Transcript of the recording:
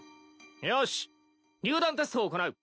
よし入団テストを行う。